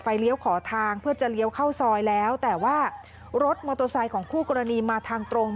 เลี้ยวขอทางเพื่อจะเลี้ยวเข้าซอยแล้วแต่ว่ารถมอเตอร์ไซค์ของคู่กรณีมาทางตรง